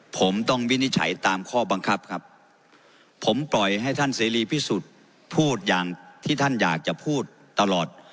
ผมต้องวินิจฉัยตามข้อบังคับครับผมปล่อยให้ท่านเสรีพิสุทธิ์พูดอย่างที่ท่านอยากจะพูดตลอด